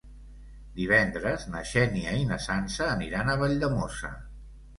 Divendres na Xènia i na Sança aniran a Valldemossa.